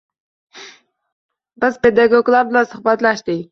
Biz pedagoglar bilan suhbatlashdik.